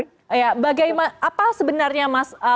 iya bagaimana apa sebenarnya mas iya iya terakhir apa tadi sorry